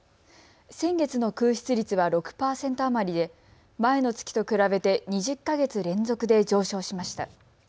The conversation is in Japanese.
先月の空室率は６％余りで前の月と比べて２０か月連続で上昇しました。